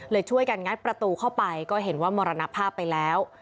ช่วยกันงัดประตูเข้าไปก็เห็นว่ามรณภาพไปแล้ว